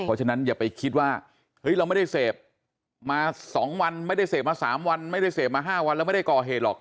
เพราะฉะนั้นอย่าไปคิดว่าเฮ้ยเราไม่ได้เสพมา๒วันไม่ได้เสพมา๓วันไม่ได้เสพมา๕วันแล้วไม่ได้ก่อเหตุหรอก